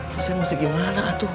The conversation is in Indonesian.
terus saya mesti gimana